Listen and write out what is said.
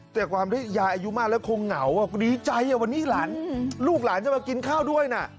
แต่ความที่ยายอายุมากแล้วคงเหงาดีใจวันนี้หลานลูกหลานจะมากินข้าวด้วยนะ